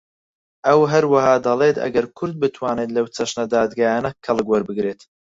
ئەو هەروەها دەڵێت ئەگەر کورد بتوانێت لەو چەشنە دادگایانە کەڵک وەربگرێت